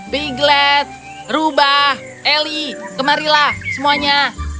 piglet rubah eli kemarilah semuanya